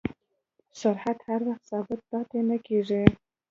سرعت هر وخت ثابت پاتې نه کېږي.